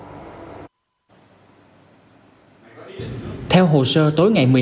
tiếp theo chương trình mời quý vị cùng theo dõi những thông tin đáng chú ý khác trong nhịp sống hai mươi bốn trên bảy